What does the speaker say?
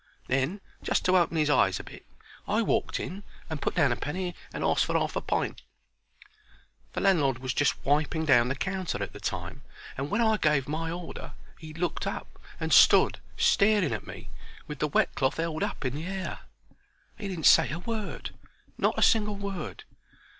Then, just to open 'is eyes a bit, I walked in and put down a penny and asked for a 'arf pint. The landlord was just wiping down the counter at the time, and when I gave my order he looked up and stood staring at me with the wet cloth 'eld up in the air. He didn't say a word not a single word.